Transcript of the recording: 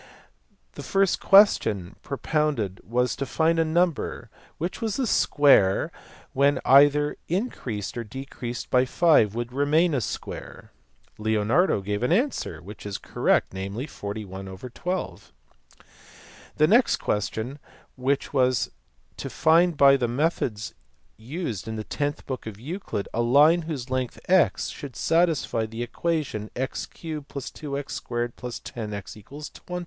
The first question propounded was to find a number of which the square when either increased or decreased by 5 would remain a square. Leonardo gave an answer, which is correct, namely 41/12. The next question was to find by the methods used in the tenth book of Euclid a line whose length x should satisfy the equation ar* + 2x 2 + Wx = 20.